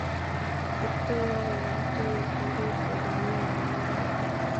Kiptoo kokikatoi koger kole kimi ngolyot ne ya